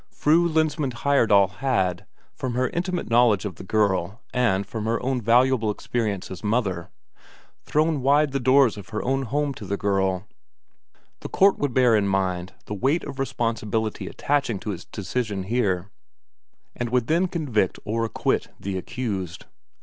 Fru Lensmand Heyerdahl had, from her intimate knowledge of the girl, and from her own valuable experience as a mother, thrown wide the doors of her own home to the girl; the court would bear in mind the weight of responsibility attaching to its decision here, and would then convict or acquit the accused.